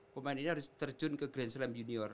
pemain ini harus terjun ke grand slam junior